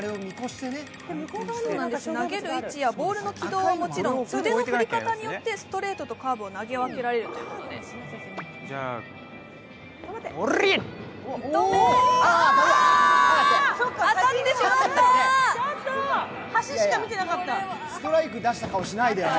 投げる位置やボールの軌道はもちろん、ストレートとカーブを投げ分けられるということです。